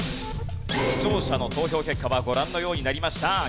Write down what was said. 視聴者の投票結果はご覧のようになりました。